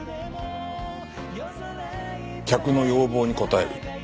客の要望に応える。